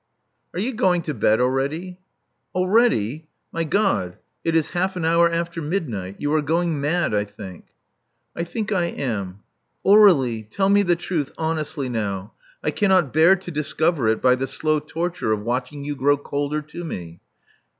" '*Are you going to bed already?" Already! My God, it is half an hour after mid night! You are going mad, I think." I think I am. Aur^lie: tell me the truth honestly now : I cannot bear to discover it by the slow torture of watching you grow colder to me.